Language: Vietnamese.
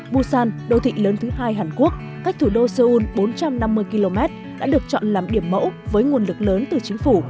busan đô thị lớn thứ hai hàn quốc cách thủ đô seoul bốn trăm năm mươi km đã được chọn làm điểm mẫu với nguồn lực lớn từ chính phủ